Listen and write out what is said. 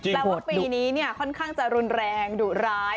แล้วว่าปีนี้เนี่ยค่อนข้างจะรุนแรงดุร้าย